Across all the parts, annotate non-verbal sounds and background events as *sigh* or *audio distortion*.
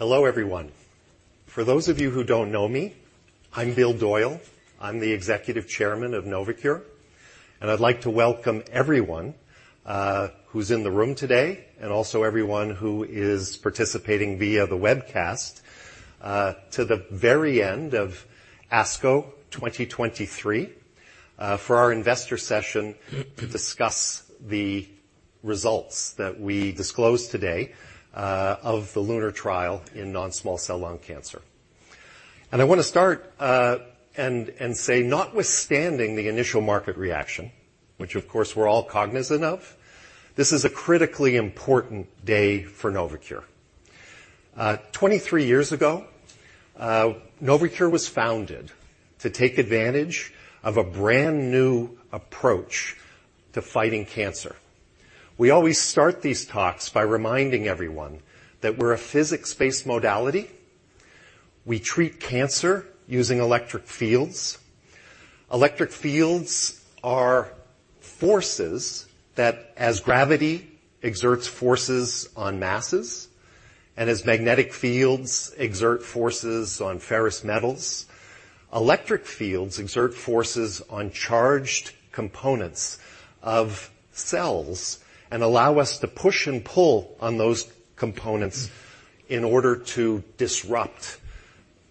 Hello, everyone. For those of you who don't know me, I'm Bill Doyle. I'm the Executive Chairman of Novocure, and I'd like to welcome everyone who's in the room today and also everyone who is participating via the webcast to the very end of ASCO 2023, for our investor session to discuss the results that we disclosed today of the LUNAR trial in non-small cell lung cancer. I want to start and say, notwithstanding the initial market reaction, which of course we're all cognizant of, this is a critically important day for Novocure. 23 years ago, Novocure was founded to take advantage of a brand-new approach to fighting cancer. We always start these talks by reminding everyone that we're a physics-based modality. We treat cancer using electric fields. Electric fields are forces that as gravity exerts forces on masses and as magnetic fields exert forces on ferrous metals, electric fields exert forces on charged components of cells and allow us to push and pull on those components in order to disrupt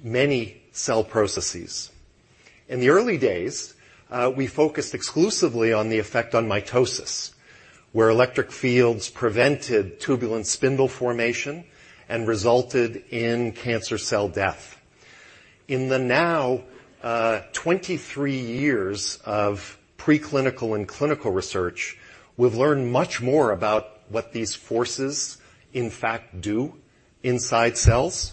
many cell processes. In the early days, we focused exclusively on the effect on mitosis, where electric fields prevented mitotic spindle formation and resulted in cancer cell death. In the now, 23 years of preclinical and clinical research, we've learned much more about what these forces, in fact, do inside cells,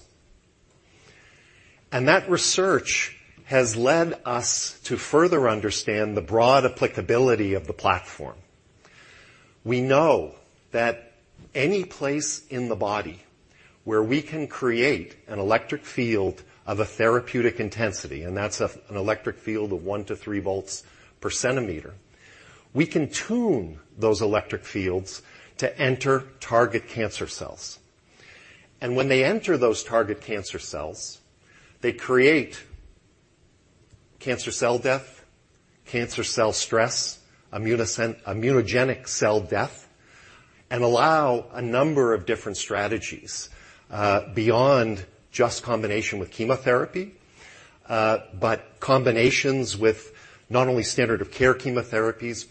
and that research has led us to further understand the broad applicability of the platform. We know that any place in the body where we can create an electric field of a therapeutic intensity, and that's an electric field of 1 to 3 volts per centimeter, we can tune those electric fields to enter target cancer cells. When they enter those target cancer cells, they create cancer cell death, cancer cell stress, immunogenic cell death, and allow a number of different strategies beyond just combination with chemotherapy, but combinations with not only standard of care chemotherapies,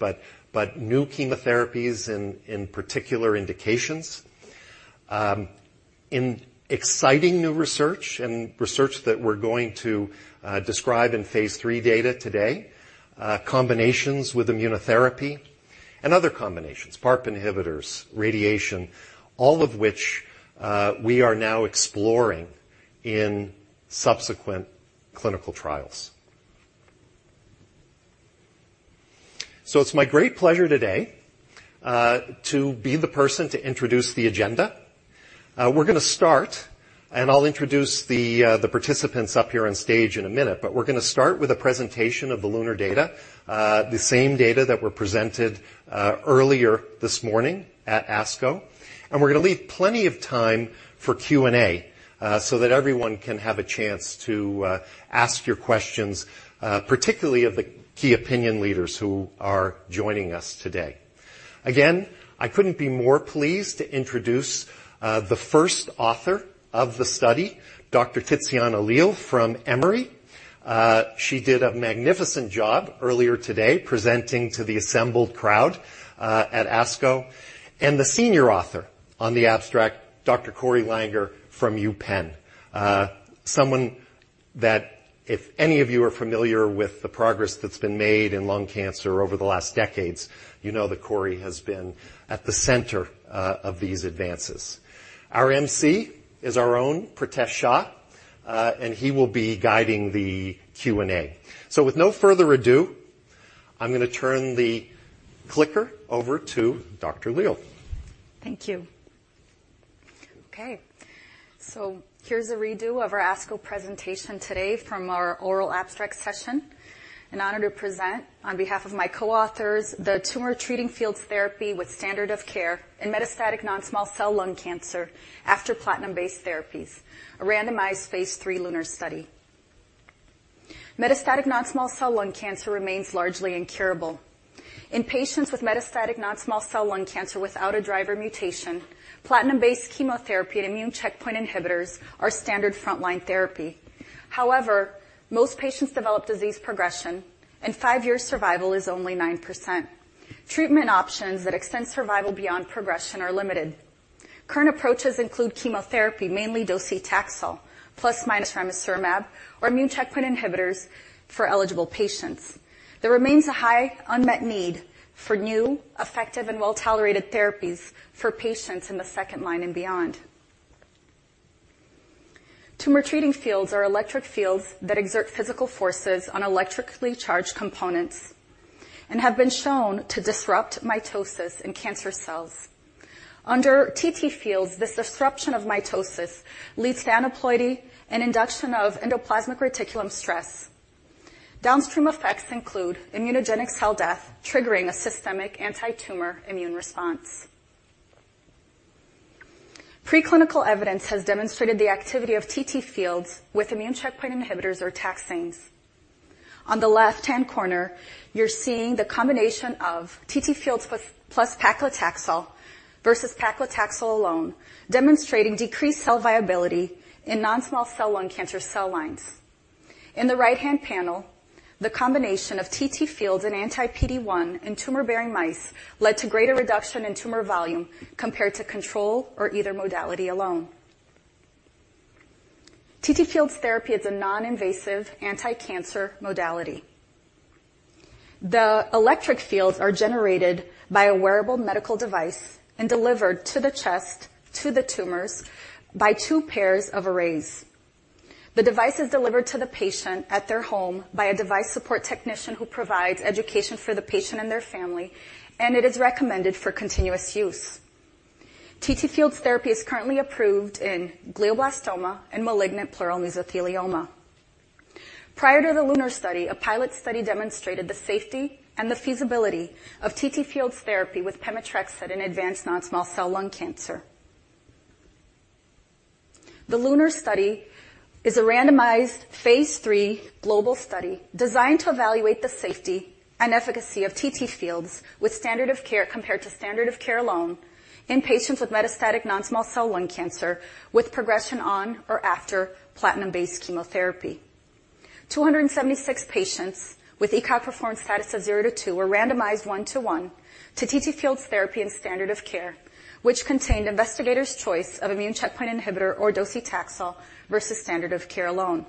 but new chemotherapies in particular indications. In exciting new research and research that we're going to describe in phase 3 data today, combinations with immunotherapy and other combinations, PARP inhibitors, radiation, all of which we are now exploring in subsequent clinical trials. It's my great pleasure today to be the person to introduce the agenda. We're gonna start, and I'll introduce the participants up here on stage in a minute, but we're gonna start with a presentation of the LUNAR data, the same data that were presented earlier this morning at ASCO. We're gonna leave plenty of time for Q&A, so that everyone can have a chance to ask your questions, particularly of the key opinion leaders who are joining us today. Again, I couldn't be more pleased to introduce the first author of the study, Dr. Ticiana Leal from Emory. She did a magnificent job earlier today presenting to the assembled crowd at ASCO, and the senior author on the abstract, Dr. Corey Langer from UPenn. Someone that if any of you are familiar with the progress that's been made in lung cancer over the last decades, you know that Corey has been at the center of these advances. Our MC is our own Pritesh Shah, and he will be guiding the Q&A. With no further ado, I'm gonna turn the clicker over to Dr. Leal. Thank you. Okay, so here's a redo of our ASCO presentation today from our oral abstract session. An honor to present on behalf of my co-authors, the Tumor Treating Fields therapy with standard of care in metastatic non-small cell lung cancer after platinum-based therapies, a randomized phase 3 LUNAR study. Metastatic non-small cell lung cancer remains largely incurable. In patients with metastatic non-small cell lung cancer without a driver mutation, platinum-based chemotherapy and immune checkpoint inhibitors are standard frontline therapy. However, most patients develop disease progression, and 5-year survival is only 9%. Treatment options that extend survival beyond progression are limited. Current approaches include chemotherapy, mainly docetaxel, plus minus ramucirumab or immune checkpoint inhibitors for eligible patients. There remains a high unmet need for new, effective, and well-tolerated therapies for patients in the second line and beyond. Tumor Treating Fields are electric fields that exert physical forces on electrically charged components and have been shown to disrupt mitosis in cancer cells. Under TTFields, this disruption of mitosis leads to aneuploidy and induction of endoplasmic reticulum stress. Downstream effects include immunogenic cell death, triggering a systemic anti-tumor immune response. Preclinical evidence has demonstrated the activity of TTFields with immune checkpoint inhibitors or Taxanes. On the left-hand corner, you're seeing the combination of TTFields plus paclitaxel versus paclitaxel alone, demonstrating decreased cell viability in non-small cell lung cancer cell lines. In the right-hand panel, the combination of TTFields and anti-PD-1 in tumor-bearing mice led to greater reduction in tumor volume compared to control or either modality alone. TTFields therapy is a non-invasive anticancer modality. The electric fields are generated by a wearable medical device and delivered to the chest, to the tumors by two pairs of arrays. The device is delivered to the patient at their home by a device support technician who provides education for the patient and their family, and it is recommended for continuous use. TTFields therapy is currently approved in glioblastoma and malignant pleural mesothelioma. Prior to the LUNAR study, a pilot study demonstrated the safety and the feasibility of TTFields therapy with pemetrexed in advanced non-small cell lung cancer. The LUNAR study is a randomized phase three global study designed to evaluate the safety and efficacy of TTFields with standard of care, compared to standard of care alone in patients with metastatic non-small cell lung cancer with progression on or after platinum-based chemotherapy. 276 patients with ECOG performance status of 0 to 2 were randomized 1-to-1 to TTFields therapy and standard of care, which contained investigators' choice of immune checkpoint inhibitor or docetaxel versus standard of care alone.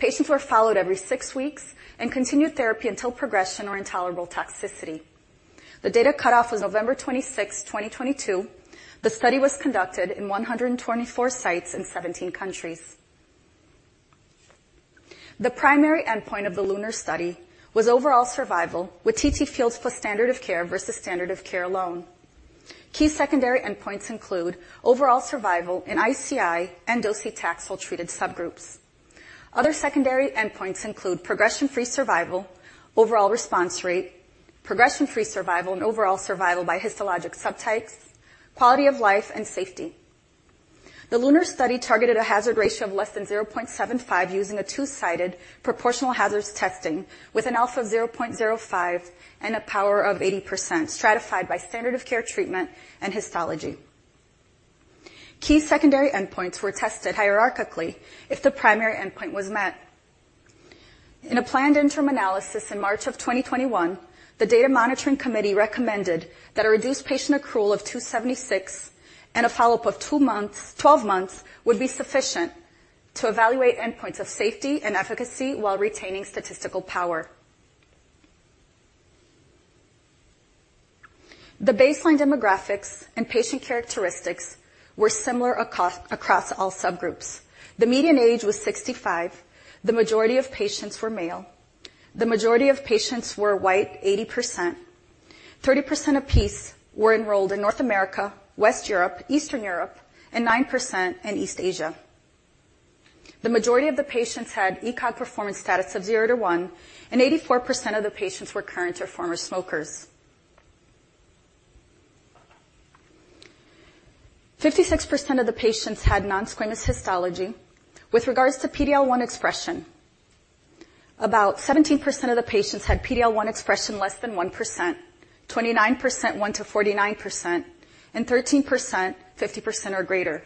Patients were followed every six weeks and continued therapy until progression or intolerable toxicity. The data cutoff was November 26th, 2022. The study was conducted in 124 sites in 17 countries. The primary endpoint of the LUNAR study was overall survival, with TTFields plus standard of care versus standard of care alone. Key secondary endpoints include overall survival in ICI and docetaxel-treated subgroups. Other secondary endpoints include progression-free survival, overall response rate, progression-free survival, and overall survival by histologic subtypes, quality of life, and safety. The LUNAR study targeted a hazard ratio of less than 0.75, using a two-sided proportional hazards testing with an alpha of 0.05 and a power of 80%, stratified by standard of care treatment and histology. Key secondary endpoints were tested hierarchically if the primary endpoint was met. In a planned interim analysis in March of 2021, the Data Monitoring Committee recommended that a reduced patient accrual of 276 and a follow-up of 12 months would be sufficient to evaluate endpoints of safety and efficacy while retaining statistical power. The baseline demographics and patient characteristics were similar across all subgroups. The median age was 65. The majority of patients were male. The majority of patients were White, 80%. 30% of piece were enrolled in North America, West Europe, Eastern Europe, and 9% in East Asia. The majority of the patients had ECOG performance status of 0 to 1, and 84% of the patients were current or former smokers. 56% of the patients had Non-Squamous histology. With regards to PD-L1 expression, about 17% of the patients had PD-L1 expression, less than 1%, 29%, 1%-49%, and 13%, 50% or greater.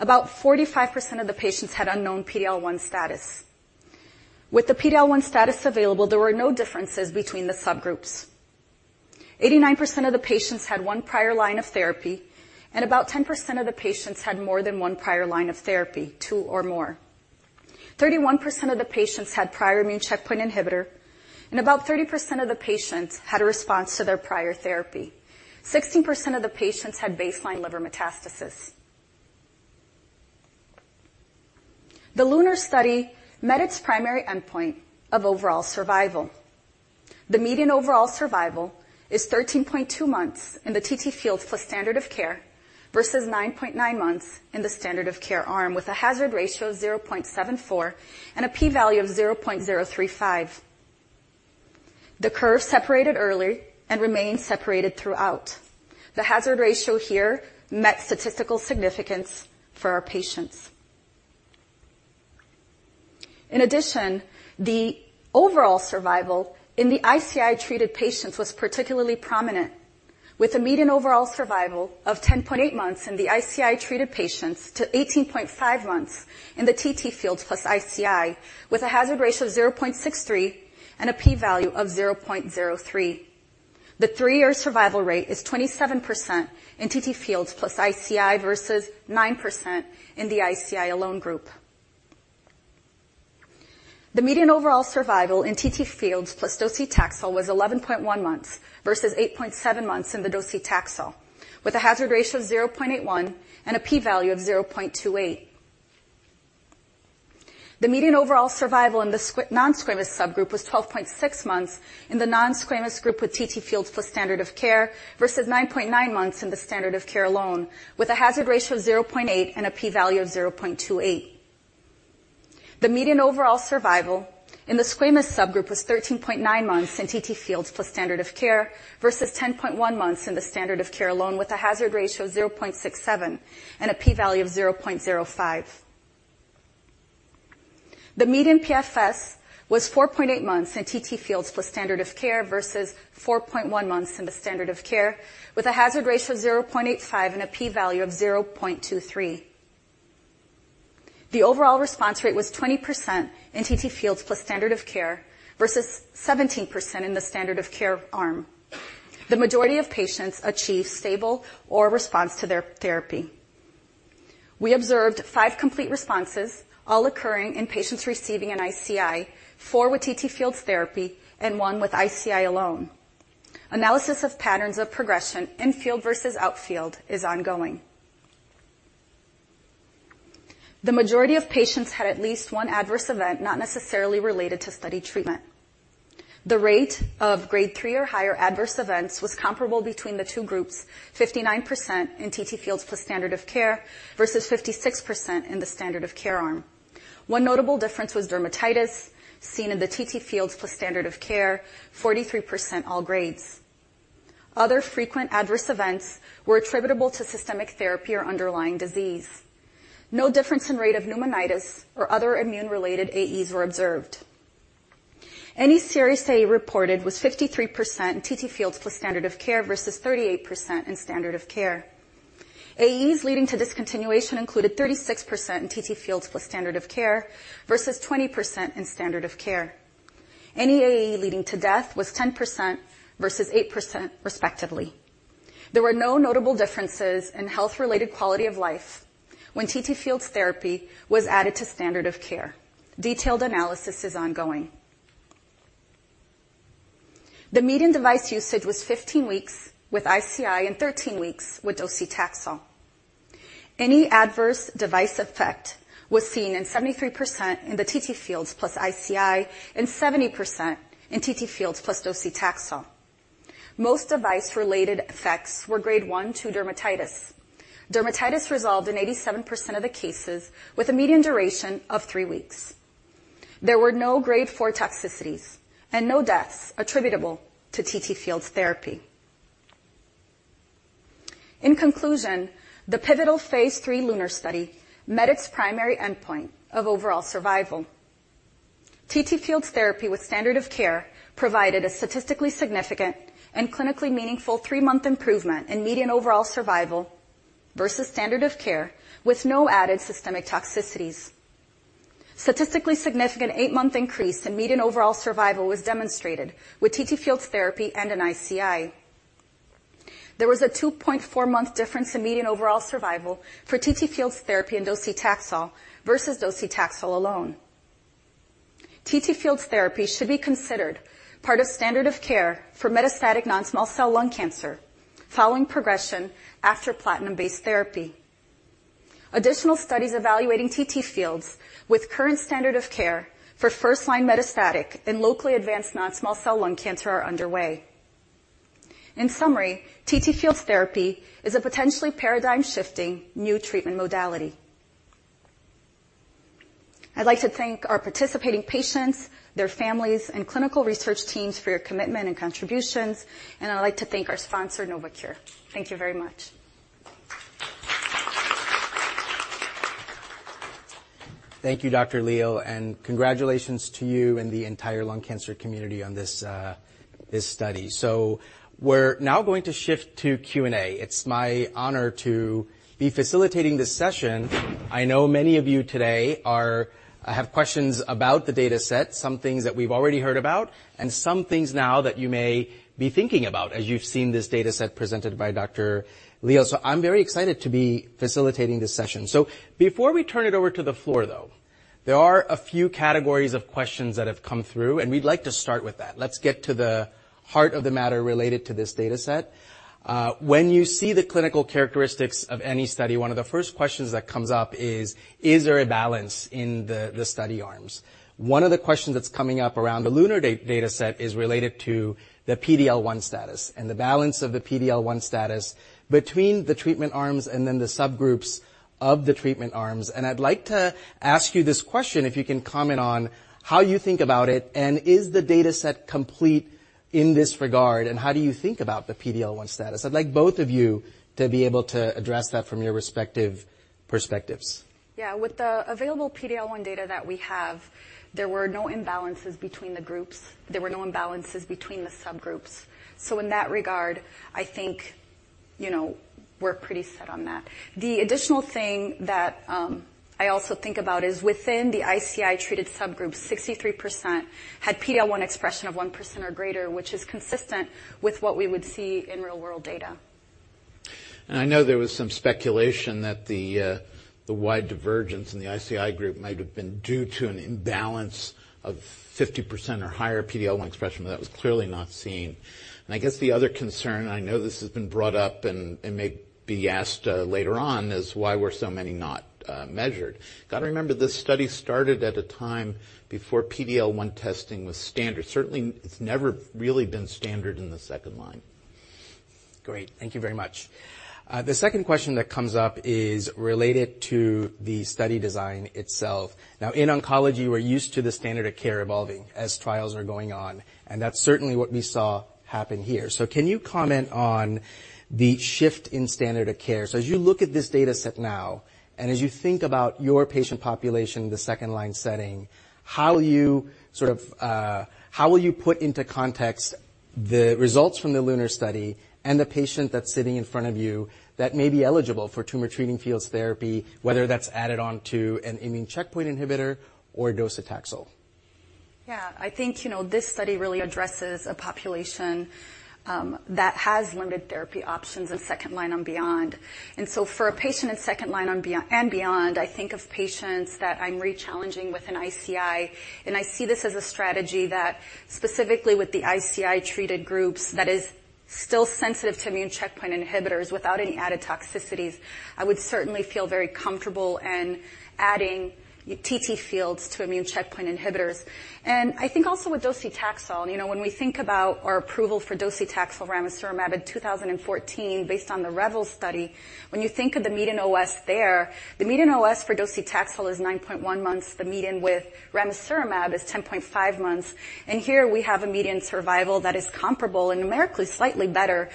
About 45% of the patients had unknown PD-L1 status. With the PD-L1 status available, there were no differences between the subgroups. 89% of the patients had 1 prior line of therapy, and about 10% of the patients had more than one prior line of therapy, two or more. 31% of the patients had prior immune checkpoint inhibitor, and about 30% of the patients had a response to their prior therapy. 16% of the patients had baseline liver metastasis. The LUNAR study met its primary endpoint of overall survival. The median overall survival is 13.2 months in the TTFields plus standard of care, versus 9.9 months in the standard of care arm, with a hazard ratio of 0.74 and a P value of 0.035. The curve separated early and remains separated throughout. The hazard ratio here met statistical significance for our patients. The overall survival in the ICI-treated patients was particularly prominent, with a median overall survival of 10.8 months in the ICI-treated patients to 18.5 months in the TTFields plus ICI, with a hazard ratio of 0.63 and a P value of 0.03. The three-year survival rate is 27% in TTFields plus ICI, versus 9% in the ICI alone group. The median overall survival in TTFields plus docetaxel was 11.1 months versus 8.7 months in the docetaxel, with a hazard ratio of 0.81 and a P value of 0.28. The median overall survival in the non-squamous subgroup was 12.6 months in the non-squamous group with TTFields plus standard of care, versus 9.9 months in the standard of care alone, with a hazard ratio of 0.8 and a P value of 0.28. The median overall survival in the Squamous subgroup was 13.9 months in TTFields plus standard of care, versus 10.1 months in the standard of care alone, with a hazard ratio of 0.67 and a P value of 0.05. The median PFS was 4.8 months in TTFields plus standard of care versus 4.1 months in the standard of care, with a hazard ratio of 0.85 and a P value of 0.23. The overall response rate was 20% in TTFields plus standard of care versus 17% in the standard of care arm. The majority of patients achieved stable or response to their therapy. We observed five complete responses, all occurring in patients receiving an ICI, four with TTFields therapy and one with ICI alone. Analysis of patterns of progression in-field versus out-field is ongoing. The majority of patients had at least one adverse event, not necessarily related to study treatment. The rate of grade three or higher adverse events was comparable between the two groups, 59% in TTFields plus standard of care versus 56% in the standard of care arm. One notable difference was dermatitis, seen in the TTFields plus standard of care, 43% all grades. Other frequent adverse events were attributable to systemic therapy or underlying disease. No difference in rate of pneumonitis or other immune-related AEs were observed. Any serious AE reported was 53% in TTFields plus standard of care versus 38% in standard of care. AEs leading to discontinuation included 36% in TTFields plus standard of care versus 20% in standard of care. Any AE leading to death was 10% versus 8%, respectively. There were no notable differences in health-related quality of life when TTFields therapy was added to standard of care. Detailed analysis is ongoing. The median device usage was 15 weeks with ICI and 13 weeks with docetaxel. Any adverse device effect was seen in 73% in the TTFields plus ICI and 70% in TTFields plus docetaxel. Most device-related effects were grade 1/2 dermatitis. Dermatitis resolved in 87% of the cases, with a median duration of three weeks. There were no grade four toxicities and no deaths attributable to TTFields therapy. In conclusion, the pivotal phase 3 LUNAR study met its primary endpoint of overall survival. TTFields therapy with standard of care provided a statistically significant and clinically meaningful 3-month improvement in median overall survival versus standard of care, with no added systemic toxicities. Statistically significant 8-month increase in median overall survival was demonstrated with TTFields therapy and an ICI. There was a 2.4-month difference in median overall survival for TTFields therapy and docetaxel versus docetaxel alone. TTFields therapy should be considered part of standard of care for metastatic non-small cell lung cancer following progression after platinum-based therapy. Additional studies evaluating TTFields with current standard of care for first-line metastatic and locally advanced non-small cell lung cancer are underway. In summary, TTFields therapy is a potentially paradigm-shifting new treatment modality. I'd like to thank our participating patients, their families, and clinical research teams for your commitment and contributions, and I'd like to thank our sponsor, Novocure. Thank you very much. Thank you, Dr. Leal, congratulations to you and the entire lung cancer community on this study. We're now going to shift to Q&A. It's my honor to be facilitating this session. I know many of you today have questions about the data set, some things that we've already heard about and some things now that you may be thinking about as you've seen this data set presented by Dr. Leal. I'm very excited to be facilitating this session. Before we turn it over to the floor, though, there are a few categories of questions that have come through, and we'd like to start with that. Let's get to the heart of the matter related to this data set. When you see the clinical characteristics of any study, one of the first questions that comes up is: Is there a balance in the study arms? One of the questions that's coming up around the LUNAR data set is related to the PD-L1 status and the balance of the PD-L1 status between the treatment arms and then the subgroups of the treatment arms. I'd like to ask you this question, if you can comment on how you think about it, and is the data set complete in this regard, and how do you think about the PD-L1 status? I'd like both of you to be able to address that from your respective perspectives. With the available PDL-1 data that we have, there were no imbalances between the groups. There were no imbalances between the subgroups. In that regard, I think, you know, we're pretty set on that. The additional thing that I also think about is within the ICI-treated subgroups, 63% had PDL-1 expression of 1% or greater, which is consistent with what we would see in real-world data. I know there was some speculation that the wide divergence in the ICI group might have been due to an imbalance of 50% or higher PD-L1 expression, but that was clearly not seen. I guess the other concern, I know this has been brought up and may be asked later on, is why were so many not measured? You gotta remember, this study started at a time before PD-L1 testing was standard. Certainly, it's never really been standard in the second line. Great. Thank you very much. The second question that comes up is related to the study design itself. Now, in oncology, we're used to the standard of care evolving as trials are going on, and that's certainly what we saw happen here. Can you comment on the shift in standard of care? As you look at this data set now, and as you think about your patient population in the second-line setting, how will you sort of, how will you put into context the results from the LUNAR study and the patient that's sitting in front of you that may be eligible for Tumor Treating Fields therapy, whether that's added on to an immune checkpoint inhibitor or docetaxel? Yeah. I think, you know, this study really addresses a population, that has limited therapy options in second line and beyond. For a patient in second line and beyond, I think of patients that I'm rechallenging with an ICI, and I see this as a strategy that specifically with the ICI-treated groups, that is still sensitive to immune checkpoint inhibitors without any added toxicities. I would certainly feel very comfortable in adding TTFields to immune checkpoint inhibitors. I think also with docetaxel, you know, when we think about our approval for docetaxel ramucirumab in 2014, based on the REVEL study, when you think of the median OS there, the median OS for docetaxel is 9.1 months. The median with ramucirumab is 10.5 months, and here we have a median survival that is comparable and numerically slightly better,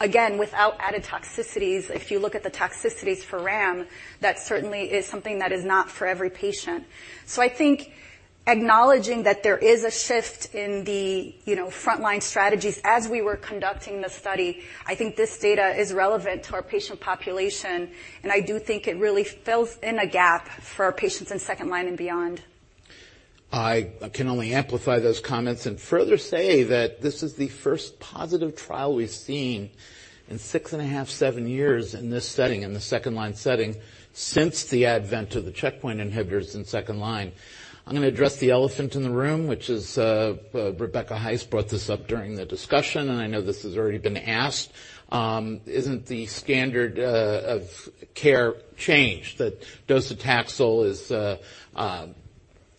again, without added toxicities. If you look at the toxicities for ram, that certainly is something that is not for every patient. I think acknowledging that there is a shift in the, you know, front-line strategies as we were conducting the study, I think this data is relevant to our patient population, and I do think it really fills in a gap for our patients in second line and beyond. I can only amplify those comments and further say that this is the first positive trial we've seen in six and a half, seven years in this setting, in the second-line setting, since the advent of the checkpoint inhibitors in second line. I'm gonna address the elephant in the room, which is Rebecca Heist brought this up during the discussion. I know this has already been asked. Isn't the standard of care changed, that docetaxel is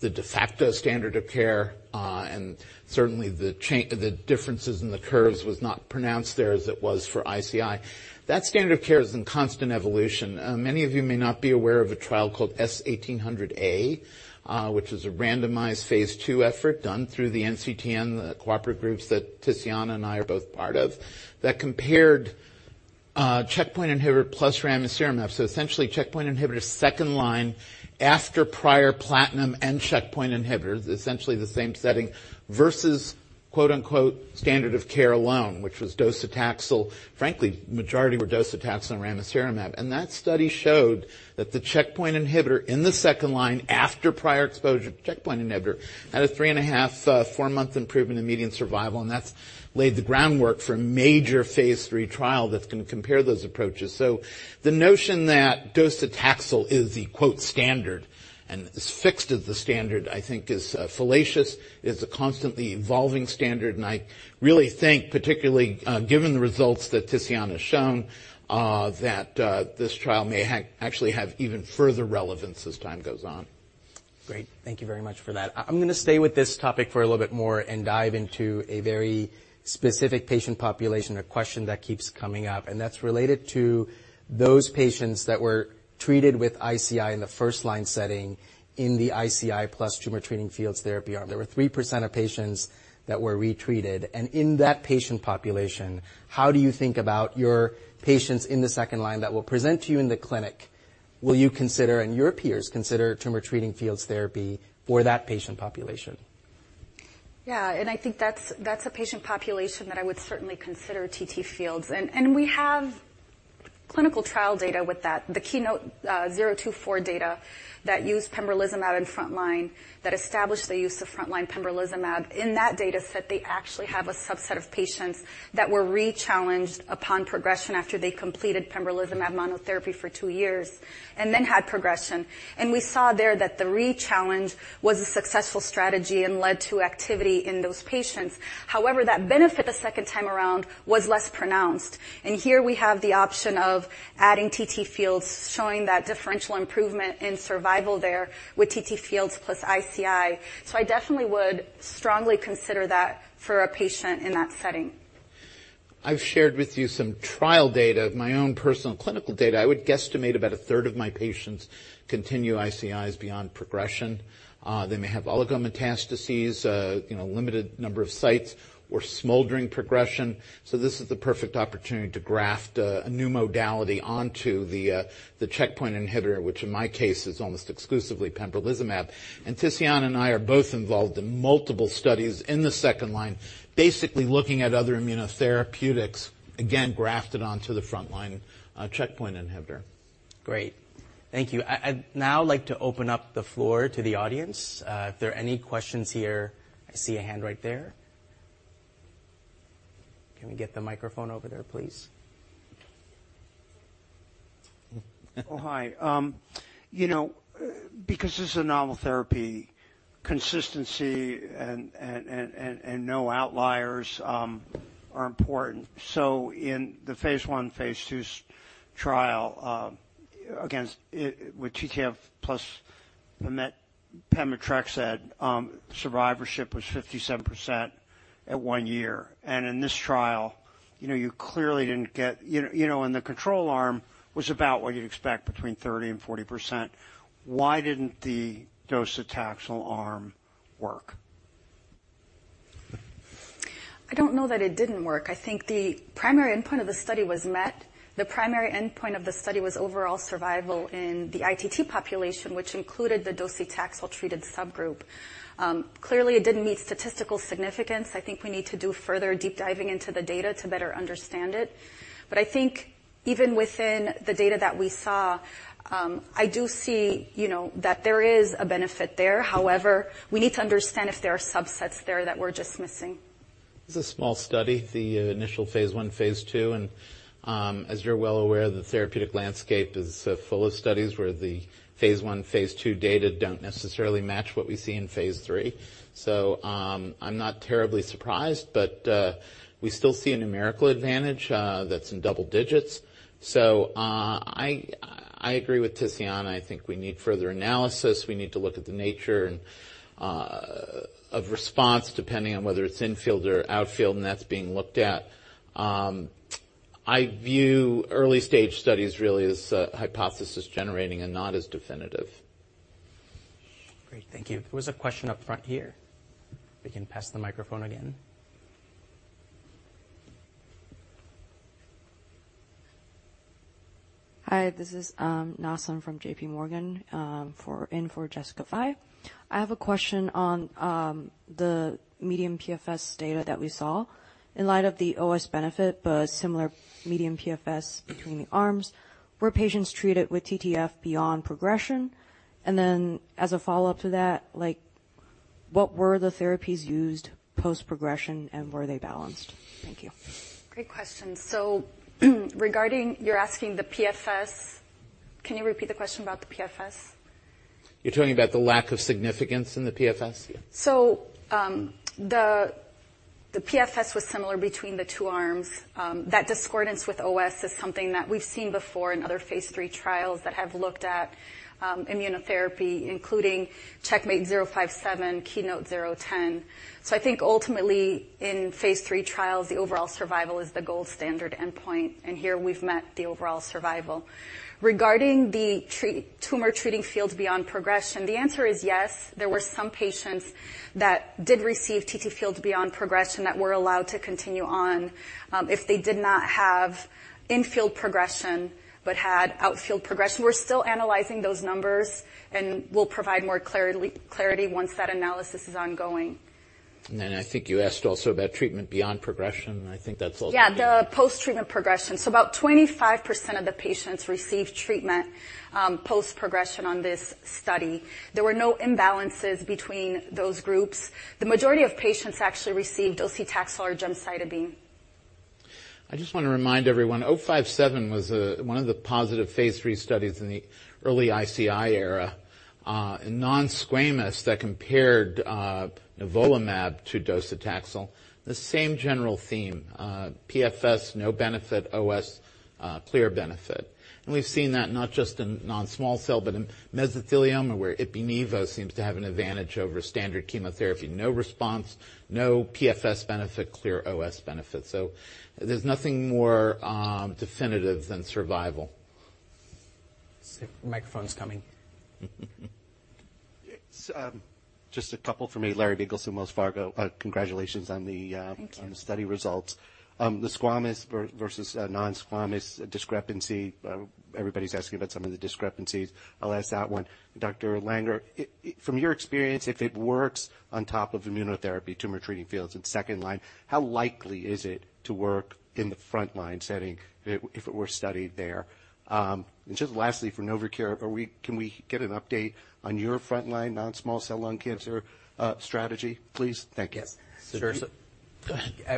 the de facto standard of care, and certainly the differences in the curves was not pronounced there as it was for ICI? That standard of care is in constant evolution. Many of you may not be aware of a trial called S1800A, which is a randomized phase 2 effort done through the NCTN, the cooperative groups that Ticiana and I are both part of, that compared checkpoint inhibitor plus Ramucirumab. Essentially, checkpoint inhibitor second line after prior platinum and checkpoint inhibitors, essentially the same setting, versus, quote, unquote, "standard of care alone," which was docetaxel. Frankly, majority were docetaxel and Ramucirumab, and that study showed that the checkpoint inhibitor in the second line after prior exposure to checkpoint inhibitor had a 3.5, 4-month improvement in median survival, and that's laid the groundwork for a major phase 3 trial that's gonna compare those approaches. The notion that docetaxel is the, quote, "standard" and as fixed as the standard, I think is fallacious, is a constantly evolving standard, and I really think, particularly, given the results that Ticiana has shown, that this trial may actually have even further relevance as time goes on. Great. Thank you very much for that. I'm gonna stay with this topic for a little bit more and dive into a very specific patient population, a question that keeps coming up, and that's related to those patients that were treated with ICI in the first-line setting in the ICI plus Tumor Treating Fields therapy arm. There were 3% of patients that were retreated. In that patient population, how do you think about your patients in the second line that will present to you in the clinic? Will you consider, and your peers consider, Tumor Treating Fields therapy for that patient population? Yeah, and I think that's a patient population that I would certainly consider TTFields. We have clinical trial data with that. The KEYNOTE-024 data that used Pembrolizumab in first-line, that established the use of first-line Pembrolizumab. In that data set, they actually have a subset of patients that were rechallenged upon progression after they completed Pembrolizumab monotherapy for two years and then had progression. We saw there that the rechallenge was a successful strategy and led to activity in those patients. However, that benefit the second time around was less pronounced, and here we have the option of adding TTFields, showing that differential improvement in survival there with TTFields plus ICI. I definitely would strongly consider that for a patient in that setting. I've shared with you some trial data, my own personal clinical data. I would guesstimate about a third of my patients continue ICIs beyond progression. They may have Oligometastases, you know, limited number of sites or smoldering progression, so this is the perfect opportunity to graft a new modality onto the checkpoint inhibitor, which in my case, is almost exclusively Pembrolizumab. Tiziana and I are both involved in multiple studies in the second line, basically looking at other Immunotherapeutics, again, grafted onto the front-line checkpoint inhibitor. Great. Thank you. I'd now like to open up the floor to the audience. If there are any questions here... I see a hand right there. Can we get the microphone over there, please? Hi. You know, because this is a novel therapy, consistency and no outliers are important. In the phase 1, phase 2 trial, with TTFields plus.... Pemetrexed, survivorship was 57% at one year. In this trial, you know, you clearly didn't get, you know, the control arm was about what you'd expect, between 30%-40%. Why didn't the docetaxel arm work? I don't know that it didn't work. I think the primary endpoint of the study was met. The primary endpoint of the study was overall survival in the ITT population, which included the docetaxel-treated subgroup. Clearly, it didn't meet statistical significance. I think we need to do further deep diving into the data to better understand it. I think even within the data that we saw, I do see, you know, that there is a benefit there. However, we need to understand if there are subsets there that we're just missing. It's a small study, the initial phase 1, phase 2, and as you're well aware, the therapeutic landscape is full of studies where the phase 1, phase 2 data don't necessarily match what we see in phase 3. I'm not terribly surprised, but we still see a numerical advantage that's in double digits. I agree with Ticiana. I think we need further analysis. We need to look at the nature and of response, depending on whether it's in-field or out-field, and that's being looked at. I view early-stage studies really as hypothesis-generating and not as definitive. Great, thank you. There was a question up front here. We can pass the microphone again. Hi, this is Nasim from J.P. Morgan, in for Jessica Fye. I have a question on the median PFS data that we saw. In light of the OS benefit, but similar median PFS between the arms, were patients treated with TTF beyond progression? Then, as a follow-up to that, like, what were the therapies used post-progression, and were they balanced? Thank you. Great question. You're asking the PFS? Can you repeat the question about the PFS? You're talking about the lack of significance in the PFS? The PFS was similar between the two arms. That discordance with OS is something that we've seen before in other phase 3 trials that have looked at Immunotherapy, including CheckMate 057, KEYNOTE-010. I think ultimately, in phase 3 trials, the overall survival is the gold standard endpoint, and here we've met the overall survival. Regarding Tumor Treating Fields beyond progression, the answer is yes, there were some patients that did receive TTFields beyond progression that were allowed to continue on if they did not have in-field progression, but had out-field progression. We're still analyzing those numbers, and we'll provide more clarity once that analysis is ongoing. I think you asked also about treatment beyond progression, and I think that's also. Yeah, the post-treatment progression. About 25% of the patients received treatment, post-progression on this study. There were no imbalances between those groups. The majority of patients actually received docetaxel or gemcitabine. I just want to remind everyone, CheckMate 057 was one of the positive phase 3 studies in the early ICI era in Non-Squamous that compared Nivolumab to docetaxel. The same general theme, PFS, no benefit, OS, clear benefit. We've seen that not just in non-small cell, but in Mesothelioma, where Ipi-Nivo seems to have an advantage over standard Chemotherapy. No response, no PFS benefit, clear OS benefit. There's nothing more definitive than survival. Let's see if the microphone's coming. It's just a couple for me. Larry Biegelsen from Wells Fargo. Congratulations on the. Thank you. on the study results. The squamous versus non-squamous discrepancy, everybody's asking about some of the discrepancies. I'll ask that one. Dr. Langer, from your experience, if it works on top of Immunotherapy, Tumor Treating Fields, in second line, how likely is it to work in the front-line setting if it were studied there? Just lastly, for Novocure, can we get an update on your front-line non-small cell lung cancer strategy, please? Thank you. Yes, sure.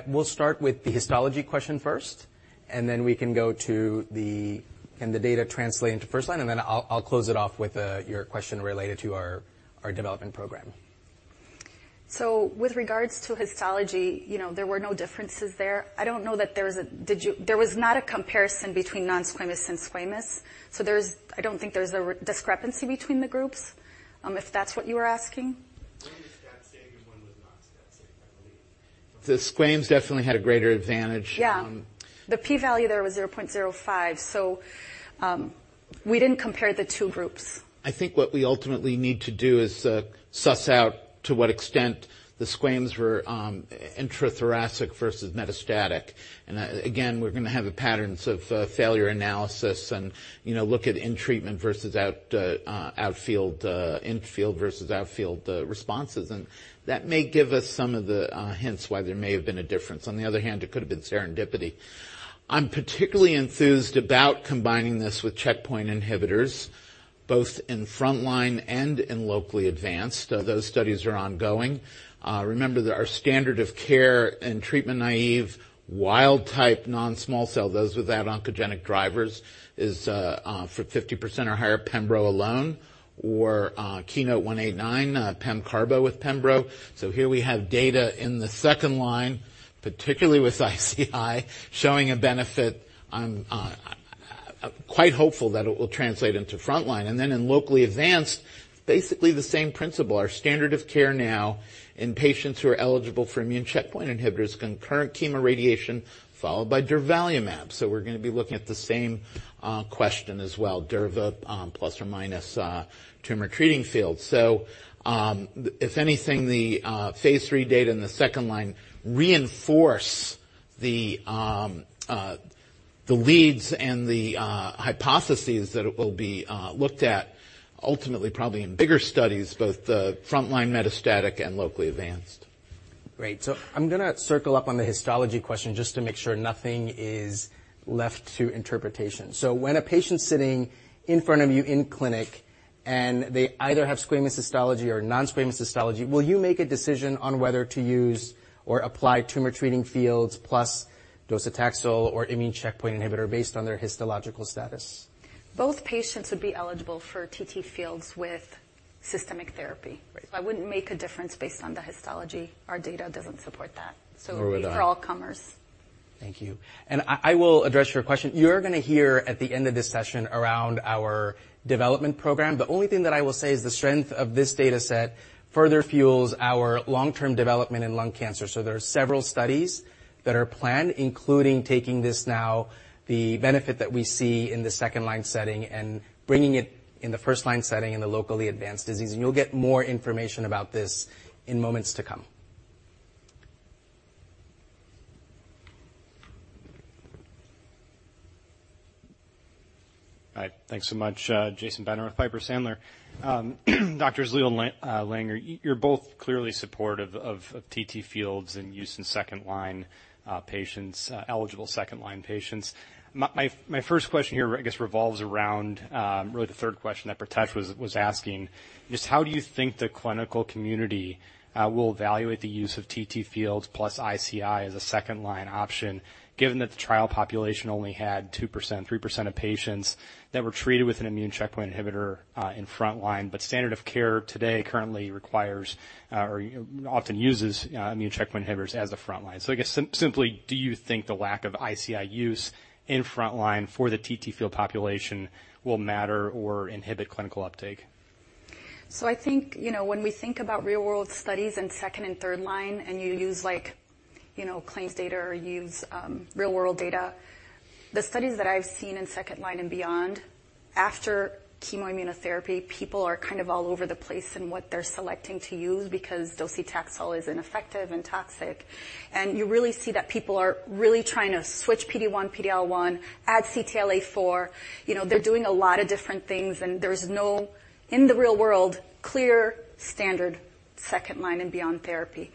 We'll start with the histology question first, then we can go to Can the data translate into first line? Then I'll close it off with your question related to our development program. With regards to histology, you know, there were no differences there. I don't know that there was not a comparison between non-squamous and squamous. I don't think there's a discrepancy between the groups, if that's what you were asking. *audio distortion* The Squames definitely had a greater advantage. Yeah. The P value there was 0.05, we didn't compare the two groups. I think what we ultimately need to do is suss out to what extent the Squames were Intrathoracic versus Metastatic. Again, we're gonna have a patterns of failure analysis and, you know, look at in-treatment versus outfield, infield versus outfield responses. That may give us some of the hints why there may have been a difference. On the other hand, it could have been serendipity. I'm particularly enthused about combining this with checkpoint inhibitors, both in front line and in locally advanced. Those studies are ongoing. Remember that our standard of care in treatment-naive, wild-type non-small cell, those without oncogenic drivers, is for 50% or higher Pembro alone, or KEYNOTE-189, pem/carbo with Pembro. Here we have data in the second line, particularly with ICI, showing a benefit on. I'm quite hopeful that it will translate into frontline. In locally advanced, basically the same principle. Our standard of care now in patients who are eligible for immune checkpoint inhibitor is concurrent chemoradiation, followed by durvalumab. We're gonna be looking at the same question as well, durva, plus or minus Tumor Treating Field. If anything, the phase 3 data in the second line reinforce the leads and the hypotheses that will be looked at ultimately probably in bigger studies, both the frontline metastatic and locally advanced. Great. I'm gonna circle up on the histology question just to make sure nothing is left to interpretation. When a patient's sitting in front of you in clinic, and they either have squamous histology or non-squamous histology, will you make a decision on whether to use or apply Tumor Treating Fields plus docetaxel or immune checkpoint inhibitor based on their histological status? Both patients would be eligible for TTFields with systemic therapy. Right. I wouldn't make a difference based on the histology. Our data doesn't support that. Well done. For all comers. Thank you. I will address your question. You're gonna hear at the end of this session around our development program. The only thing that I will say is the strength of this data set further fuels our long-term development in lung cancer. There are several studies that are planned, including taking this now, the benefit that we see in the second-line setting and bringing it in the first-line setting in the locally advanced disease. You'll get more information about this in moments to come. Hi. Thanks so much. Jason Bednar with Piper Sandler. Doctors Leal, Langer, you're both clearly supportive of TTFields and use in second-line patients, eligible second-line patients. My first question here, I guess, revolves around really the third question that Pritesh was asking: Just how do you think the clinical community will evaluate the use of TTFields plus ICI as a second-line option, given that the trial population only had 2%, 3% of patients that were treated with an immune checkpoint inhibitor in frontline, but standard of care today currently requires or often uses immune checkpoint inhibitors as a frontline? I guess simply, do you think the lack of ICI use in frontline for the TTFields population will matter or inhibit clinical uptake? I think, you know, when we think about real-world studies in second and third line, and you use like, you know, claims data or use, real-world data, the studies that I've seen in second line and beyond, after chemo immunotherapy, people are kind of all over the place in what they're selecting to use because docetaxel is ineffective and toxic. You really see that people are really trying to switch PD-1, PD-L1, add CTLA-4. You know, they're doing a lot of different things, and there's no, in the real world, clear standard second line and beyond therapy.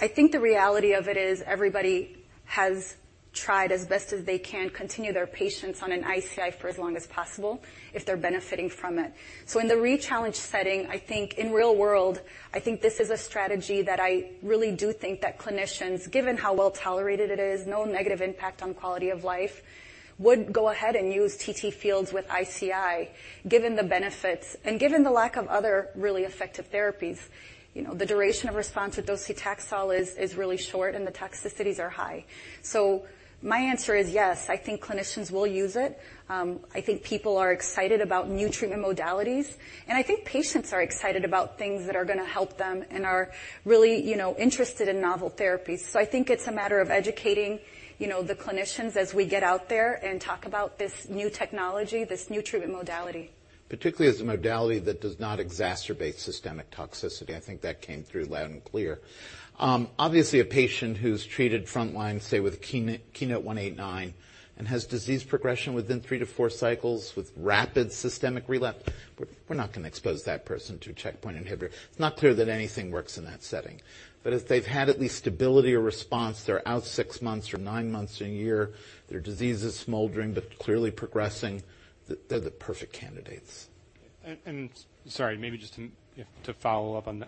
I think the reality of it is everybody has tried as best as they can, continue their patients on an ICI for as long as possible if they're benefiting from it. In the rechallenge setting, I think in real world, I think this is a strategy that I really do think that clinicians, given how well tolerated it is, no negative impact on quality of life, would go ahead and use TTFields with ICI, given the benefits and given the lack of other really effective therapies. You know, the duration of response with docetaxel is really short, and the toxicities are high. My answer is yes, I think clinicians will use it. I think people are excited about new treatment modalities, and I think patients are excited about things that are gonna help them and are really, you know, interested in novel therapies. I think it's a matter of educating, you know, the clinicians as we get out there and talk about this new technology, this new treatment modality. Particularly as a modality that does not exacerbate systemic toxicity. I think that came through loud and clear. Obviously, a patient who's treated front-line, say, with KEYNOTE-189 and has disease progression within 3-4 cycles with rapid systemic relapse, we're not gonna expose that person to a checkpoint inhibitor. It's not clear that anything works in that setting. If they've had at least stability or response, they're out six months or nine months to one year, their disease is smoldering but clearly progressing, they're the perfect candidates. Sorry, maybe just to follow up on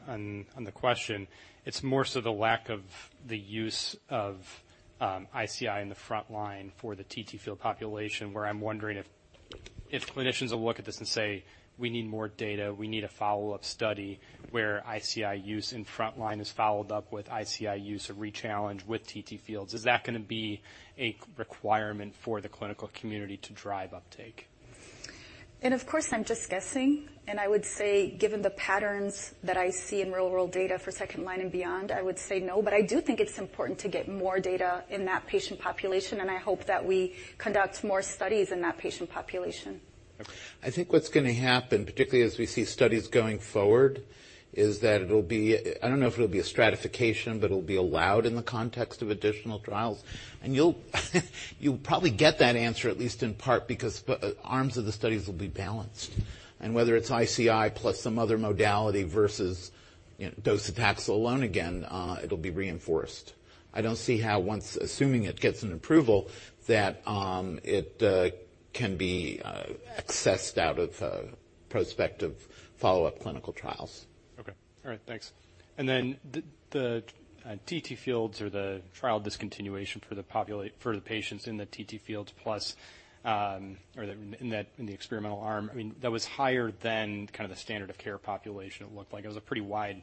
the question. It's more so the lack of the use of ICI in the frontline for the TTFields population, where I'm wondering if clinicians will look at this and say, "We need more data. We need a follow-up study" where ICI use in frontline is followed up with ICI use of rechallenge with TTFields. Is that gonna be a requirement for the clinical community to drive uptake? Of course, I'm just guessing, and I would say, given the patterns that I see in real-world data for second line and beyond, I would say no. I do think it's important to get more data in that patient population, and I hope that we conduct more studies in that patient population. I think what's gonna happen, particularly as we see studies going forward, is that it'll be. I don't know if it'll be a stratification, but it'll be allowed in the context of additional trials. You'll probably get that answer, at least in part because arms of the studies will be balanced. Whether it's ICI plus some other modality versus, you know, docetaxel alone, again, it'll be reinforced. I don't see how once, assuming it gets an approval, that it can be accessed out of prospective follow-up clinical trials. Okay. All right, thanks. The TTFields or the trial discontinuation for the patients in the TTFields plus, or in the experimental arm, I mean, that was higher than kind of the standard of care population it looked like. It was a pretty wide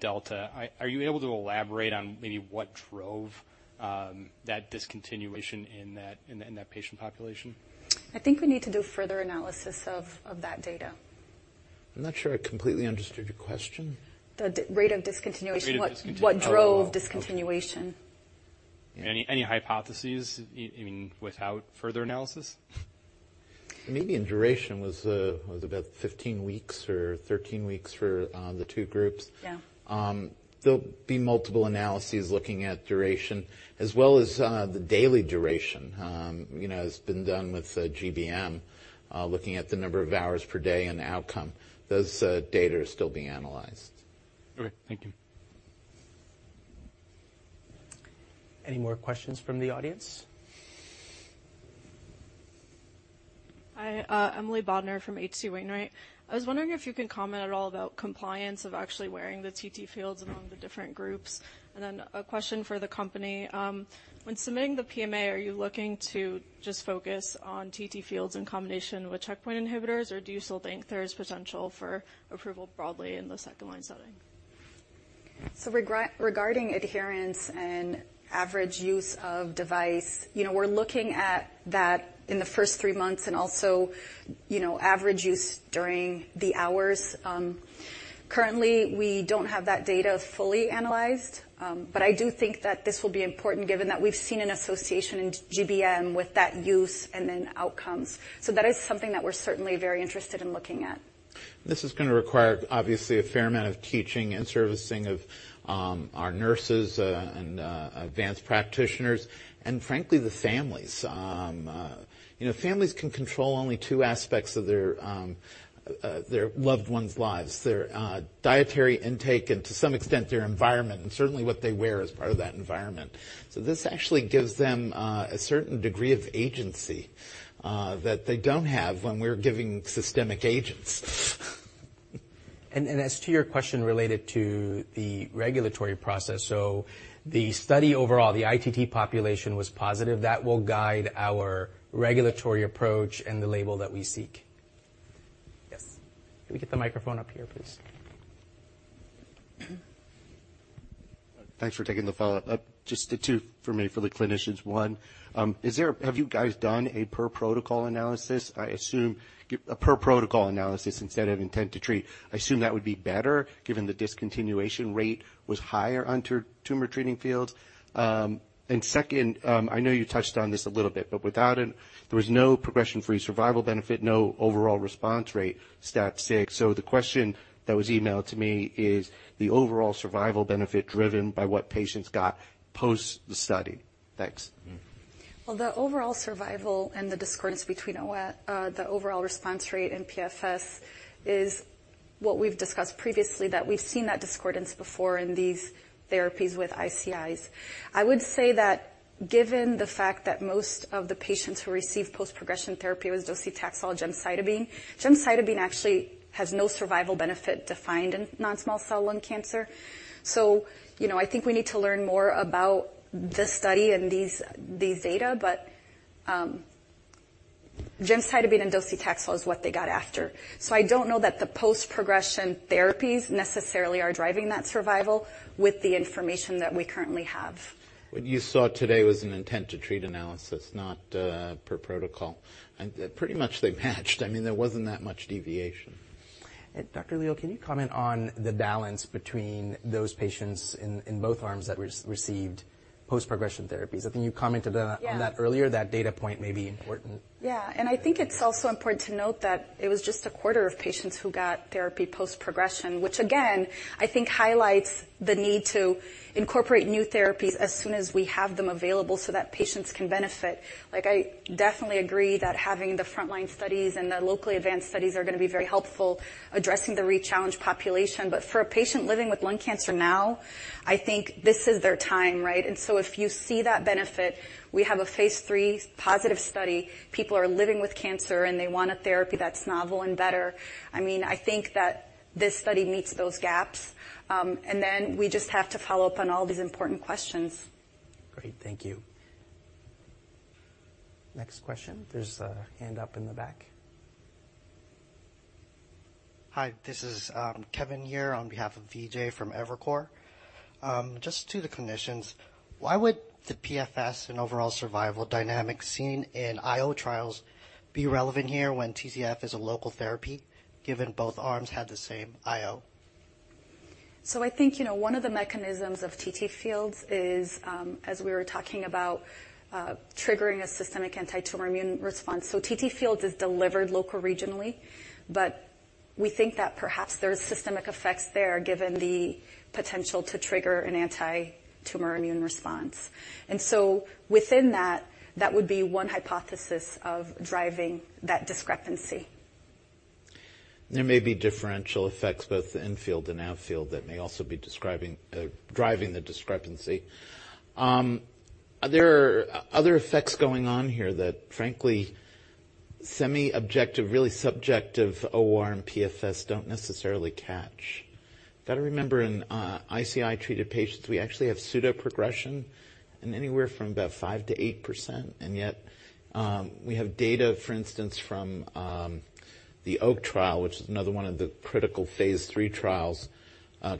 delta. Are you able to elaborate on maybe what drove that discontinuation in that patient population? I think we need to do further analysis of that data. ... I'm not sure I completely understood your question? The rate of discontinuation. The rate of discontinuation. What drove discontinuation? Any hypotheses, I mean, without further analysis? Median duration was about 15 weeks or 13 weeks for the two groups. Yeah. There'll be multiple analyses looking at duration as well as the daily duration. you know, it's been done with GBM, looking at the number of hours per day and outcome. Those data are still being analyzed. Okay, thank you. Any more questions from the audience? Hi, Emily Bodnar from H.C. Wainwright. I was wondering if you can comment at all about compliance of actually wearing the TTFields among the different groups. A question for the company. When submitting the PMA, are you looking to just focus on TTFields in combination with checkpoint inhibitors, or do you still think there is potential for approval broadly in the second-line setting? Regarding adherence and average use of device, you know, we're looking at that in the first three months and also, you know, average use during the hours. Currently, we don't have that data fully analyzed, but I do think that this will be important given that we've seen an association in GBM with that use and then outcomes. That is something that we're certainly very interested in looking at. This is gonna require, obviously, a fair amount of teaching and servicing of our nurses, and advanced practitioners and frankly, the families. You know, families can control only two aspects of their loved one's lives: their dietary intake and, to some extent, their environment, and certainly what they wear as part of that environment. This actually gives them a certain degree of agency that they don't have when we're giving systemic agents. As to your question related to the regulatory process, the study overall, the ITT population was positive. That will guide our regulatory approach and the label that we seek. Yes. Can we get the microphone up here, please? Thanks for taking the follow-up. Just the two for me, for the clinicians. One, have you guys done a per-protocol analysis? I assume a per-protocol analysis instead of intent to treat. I assume that would be better, given the discontinuation rate was higher on Tumor Treating Fields. Second, I know you touched on this a little bit, but without there was no progression-free survival benefit, no overall response rate, stat six. The question that was emailed to me is the overall survival benefit driven by what patients got post the study? Thanks. Well, the overall survival and the discordance between the overall response rate in PFS is what we've discussed previously, that we've seen that discordance before in these therapies with ICIs. I would say that given the fact that most of the patients who received post-progression therapy was docetaxel gemcitabine actually has no survival benefit defined in non-small cell lung cancer. you know, I think we need to learn more about this study and these data, gemcitabine and docetaxel is what they got after. I don't know that the post-progression therapies necessarily are driving that survival with the information that we currently have. What you saw today was an intent to treat analysis, not per protocol. Pretty much they matched. I mean, there wasn't that much deviation. Dr. Leal, can you comment on the balance between those patients in both arms that re-received post-progression therapies? I think you commented on that earlier. Yeah. That data point may be important. I think it's also important to note that it was just a quarter of patients who got therapy post-progression, which again, I think highlights the need to incorporate new therapies as soon as we have them available so that patients can benefit. Like, I definitely agree that having the frontline studies and the locally advanced studies are gonna be very helpful addressing the rechallenge population, but for a patient living with lung cancer now, I think this is their time, right? If you see that benefit, we have a phase three positive study. People are living with cancer, and they want a therapy that's novel and better. I mean, I think that this study meets those gaps. We just have to follow up on all these important questions. Great. Thank you. Next question. There's a hand up in the back. Hi, this is Kevin here on behalf of Vijay from Evercore. Just to the clinicians, why would the PFS and overall survival dynamic seen in IO trials be relevant here when TTF is a local therapy, given both arms had the same IO? I think, you know, one of the mechanisms of TTFields is, as we were talking about, triggering a systemic antitumor immune response. TTFields is delivered local regionally, but we think that perhaps there's systemic effects there, given the potential to trigger an antitumor immune response. Within that would be one hypothesis of driving that discrepancy. There may be differential effects, both in-field and out-field, that may also be describing driving the discrepancy. There are other effects going on here that, frankly, semi-objective, really subjective OR and PFS don't necessarily catch. Gotta remember, in ICI-treated patients, we actually have Pseudoprogression in anywhere from about 5%-8%, and yet, we have data, for instance, from the OAK trial, which is another one of the critical phase 3 trials,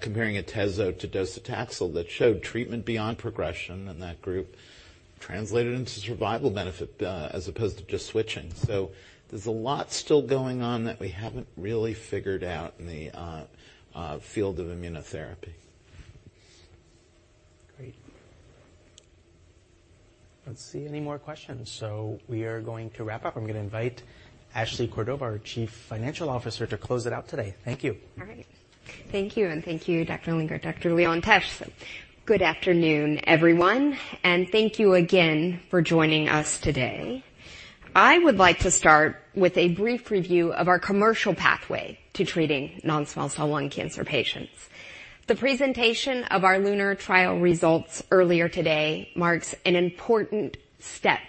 comparing Atezo to docetaxel that showed treatment beyond progression in that group. Translated into survival benefit, as opposed to just switching. So there's a lot still going on that we haven't really figured out in the field of Immunotherapy. Great. I don't see any more questions, so we are going to wrap up. I'm going to invite Ashley Cordova, our Chief Financial Officer, to close it out today. Thank you. All right. Thank you, and thank you, Dr. Langer, Dr. Leal. Good afternoon, everyone, and thank you again for joining us today. I would like to start with a brief review of our commercial pathway to treating non-small cell lung cancer patients. The presentation of our LUNAR trial results earlier today marks an important step,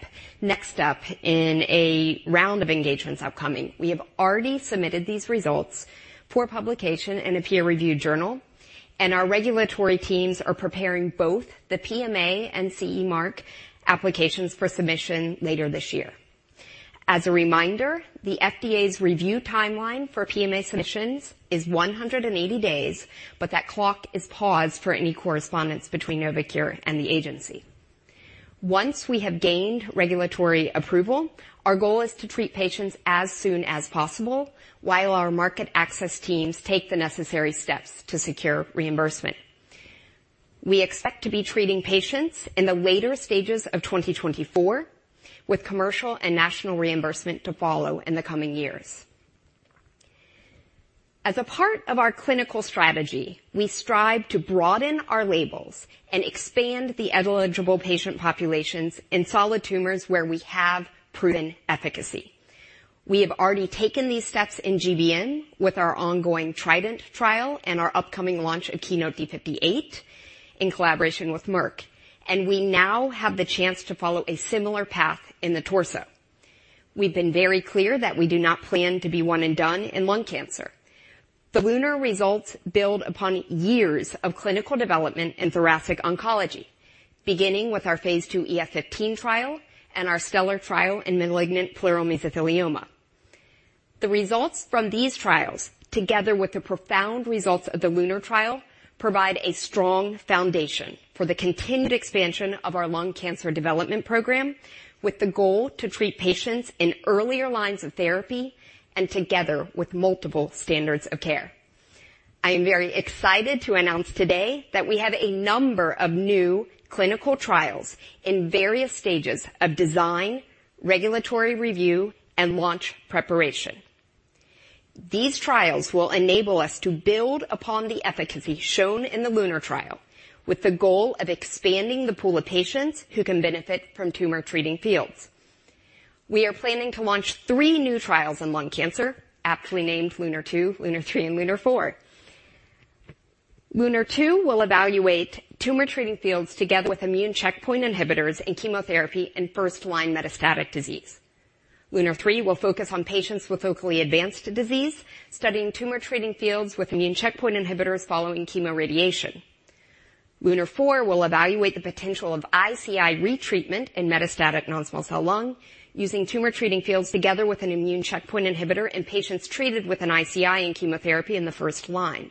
next step in a round of engagements upcoming. We have already submitted these results for publication in a peer-reviewed journal, and our regulatory teams are preparing both the PMA and CE Mark applications for submission later this year. As a reminder, the FDA's review timeline for PMA submissions is 180 days, but that clock is paused for any correspondence between Novocure and the agency. Once we have gained regulatory approval, our goal is to treat patients as soon as possible while our market access teams take the necessary steps to secure reimbursement. We expect to be treating patients in the later stages of 2024, with commercial and national reimbursement to follow in the coming years. As a part of our clinical strategy, we strive to broaden our labels and expand the eligible patient populations in solid tumors where we have proven efficacy. We have already taken these steps in GBM with our ongoing TRIDENT trial and our upcoming launch of KEYNOTE D58 in collaboration with Merck. We now have the chance to follow a similar path in the torso. We've been very clear that we do not plan to be one and done in lung cancer. The LUNAR results build upon years of clinical development in thoracic oncology, beginning with our phase 2 EF-15 trial and our STELLAR trial in malignant pleural mesothelioma. The results from these trials, together with the profound results of the LUNAR trial, provide a strong foundation for the continued expansion of our lung cancer development program, with the goal to treat patients in earlier lines of therapy and together with multiple standards of care. I am very excited to announce today that we have a number of new clinical trials in various stages of design, regulatory review, and launch preparation. These trials will enable us to build upon the efficacy shown in the LUNAR trial, with the goal of expanding the pool of patients who can benefit from Tumor Treating Fields. We are planning to launch three new trials in lung cancer, aptly named LUNAR-2, LUNAR-3, and LUNAR-4. LUNAR-2 will evaluate Tumor Treating Fields together with immune checkpoint inhibitors and chemotherapy in first-line metastatic disease. LUNAR-3 will focus on patients with locally advanced disease, studying Tumor Treating Fields with immune checkpoint inhibitors following chemoradiation. LUNAR-4 will evaluate the potential of ICI retreatment in metastatic non-small cell lung, using Tumor Treating Fields together with an immune checkpoint inhibitor in patients treated with an ICI and chemotherapy in the first line.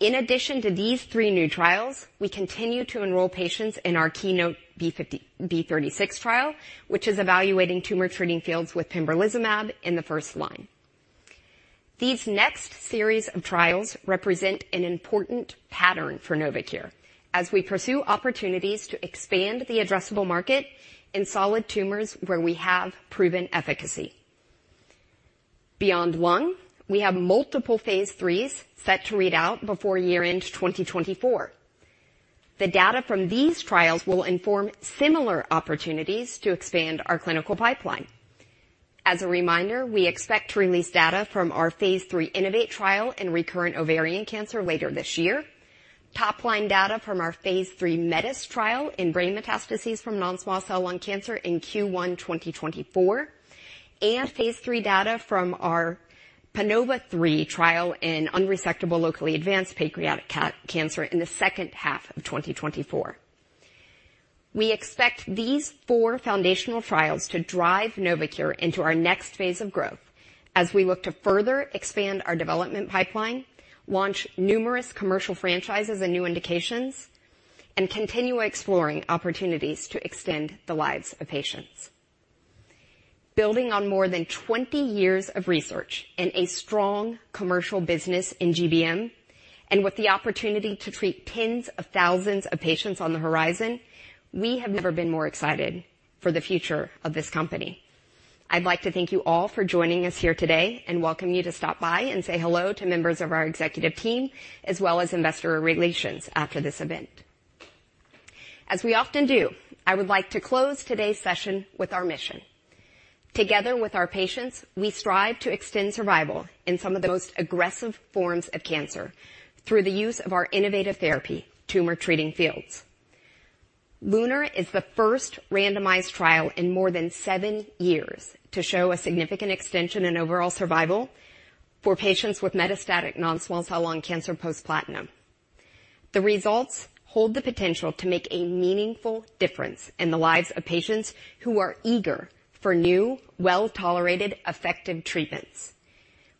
To these three new trials, we continue to enroll patients in our KEYNOTE-B36 trial, which is evaluating Tumor Treating Fields with pembrolizumab in the first line. These next series of trials represent an important pattern for Novocure as we pursue opportunities to expand the addressable market in solid tumors where we have proven efficacy. Lung, we have multiple phase 3s set to read out before year-end 2024. The data from these trials will inform similar opportunities to expand our clinical pipeline. As a reminder, we expect to release data from our phase 3 INNOVATE-3 trial in recurrent ovarian cancer later this year, top-line data from our phase 3 METIS trial in brain metastases from non-small cell lung cancer in Q1 2024, and phase 3 data from our PANOVA-3 trial in unresectable, locally advanced pancreatic cancer in the second half of 2024. We expect these four foundational trials to drive Novocure into our next phase of growth as we look to further expand our development pipeline, launch numerous commercial franchises and new indications, and continue exploring opportunities to extend the lives of patients. Building on more than 20 years of research and a strong commercial business in GBM, and with the opportunity to treat tens of thousands of patients on the horizon, we have never been more excited for the future of this company. I'd like to thank you all for joining us here today and welcome you to stop by and say hello to members of our executive team, as well as investor relations after this event. As we often do, I would like to close today's session with our mission. Together with our patients, we strive to extend survival in some of the most aggressive forms of cancer through the use of our innovative therapy, Tumor Treating Fields. LUNAR is the first randomized trial in more than seven years to show a significant extension in overall survival for patients with metastatic non-small cell lung cancer post-platinum. The results hold the potential to make a meaningful difference in the lives of patients who are eager for new, well-tolerated, effective treatments.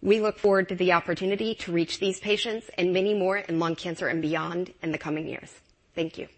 We look forward to the opportunity to reach these patients and many more in lung cancer and beyond in the coming years. Thank you.